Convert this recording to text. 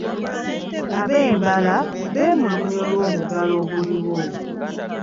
Ab’ebbaala bemmulugunya olwo muggalo oguluddewo.